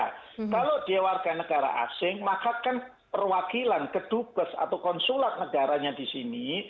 kalau dia warganegara asing maka kan perwakilan kedubes atau konsulat negaranya di sini